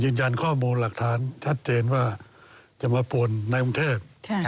ยืนยันข้อมูลหลักฐานชัดเจนว่าจะมาป่นในกรุงเทพ